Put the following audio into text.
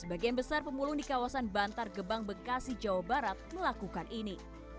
sebagian besar pemulung di kawasan bantar gebang bekasi jawa barat melakukan ini